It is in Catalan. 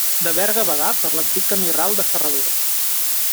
De Berga a Bagà per l'antic camí ral de ferradura.